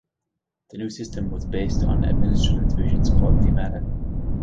The new system was based on administrative divisions called Themata.